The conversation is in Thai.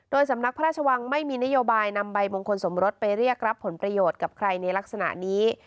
สำนักพระราชวังไม่มีนโยบายนำใบมงคลสมรสไปเรียกรับผลประโยชน์กับใครในลักษณะนี้